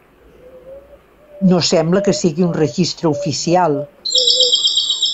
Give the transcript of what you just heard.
No sembla que sigui un registre oficial.